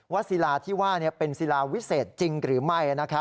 ศิลาที่ว่าเป็นศิลาวิเศษจริงหรือไม่